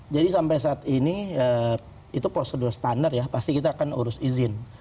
jadi sampai saat ini itu prosedur standar ya pasti kita akan urus izin